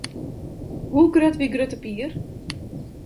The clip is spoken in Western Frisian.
Hoe grut wie Grutte Pier?